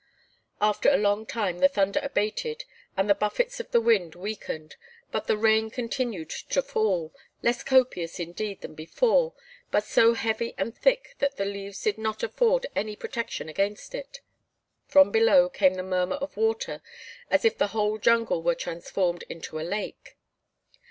After a long time the thunder abated and the buffets of the wind weakened, but the rain continued to fall, less copious, indeed, than before, but so heavy and thick that the leaves did not afford any protection against it. From below came the murmur of water as if the whole jungle were transformed into a lake.